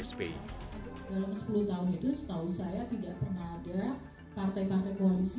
dalam sepuluh tahun itu setahu saya tidak pernah ada partai partai koalisi